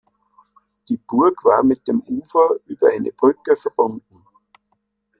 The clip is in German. Die Burg war mit dem Ufer über eine Brücke verbunden.